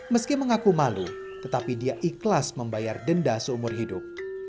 meski mengaku malu tetapi dia ikhlas membayar denda seumur hidup